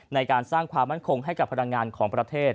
ในการสร้างความมั่นคงให้กับพลังงานของประเทศ